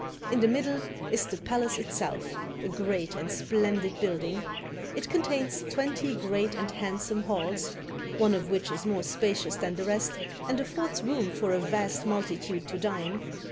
In the middle is the palace itself, a great and splendid building. It contains twenty great and handsome halls, one of which is more spacious than the rest and affords room for a vast multitude to dine.